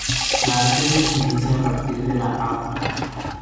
La arteria se inicia a partir de la Av.